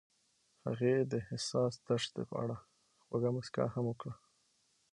هغې د حساس دښته په اړه خوږه موسکا هم وکړه.